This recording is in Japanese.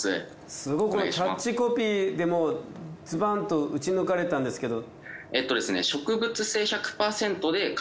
すごいこのキャッチコピーでズバンと撃ち抜かれたんですけど。